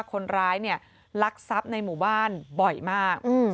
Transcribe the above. คนร้ายเนี่ยลักทรัพย์ในหมู่บ้านบ่อยมาก